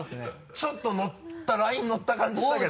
ちょっとライン乗った感じしたけど。